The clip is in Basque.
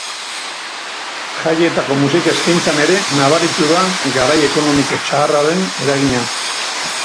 Jaietako musika eskaintzan ere nabaritu da garai ekonomiko txarraren eragina.